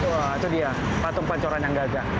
wah itu dia patung pancoran yang gajah